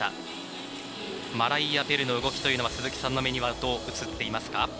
マライア・ベルの動きというのは鈴木さんの目にはどう映っていますか？